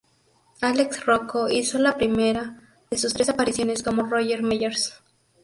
Alex Rocco hizo la primera de sus tres apariciones como Roger Meyers.